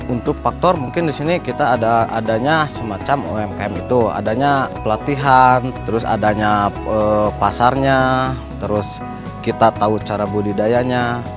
untuk faktor mungkin di sini kita adanya semacam umkm itu adanya pelatihan terus adanya pasarnya terus kita tahu cara budidayanya